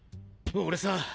俺さ